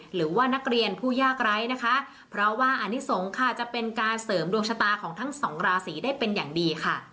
หรือว่านักเรียนผู้ยากไร้นะคะเพราะว่าอนิสงฆ์ค่ะจะเป็นการเสริมดวงชะตาของทั้งสองราศีได้เป็นอย่างดีค่ะ